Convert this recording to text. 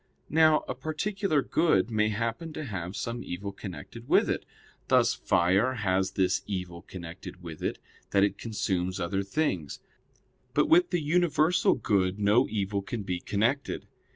Now a particular good may happen to have some evil connected with it; thus fire has this evil connected with it that it consumes other things: but with the universal good no evil can be connected.